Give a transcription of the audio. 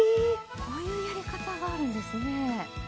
こういうやり方があるんですね。